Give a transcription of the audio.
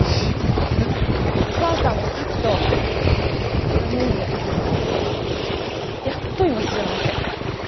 お母さんと咲妃と３人でやっと今幸せ。